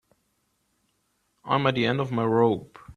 I'm at the end of my rope.